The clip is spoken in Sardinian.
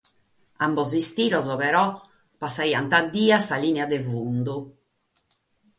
Ambos sos tiros, però, nche bàrigant sa lìnia de fundu.